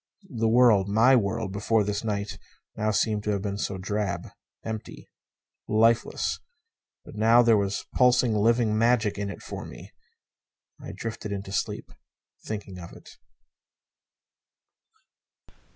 The world my world before this night now seemed to have been so drab. Empty. Lifeless. But now there was pulsing, living magic in it for me. I drifted into sleep, thinking of it.